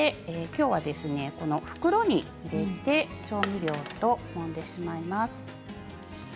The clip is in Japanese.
きょうは袋に入れて調味料ともんでしまいます。